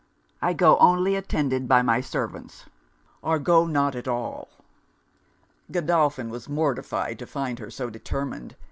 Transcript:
I go only attended by my servants or go not at all.' Godolphin was mortified to find her so determined.